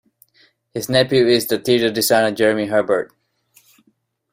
His nephew is the theatre designer Jeremy Herbert.